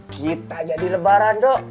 kita jadi lebaran do